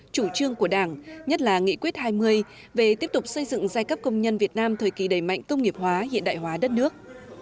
chủ trương của đảng nhất là nghị quyết hai mươi về tiếp tục xây dựng giai cấp công nhân việt nam thời kỳ đầy mạnh công nghiệp hóa hiện đại hóa đất nước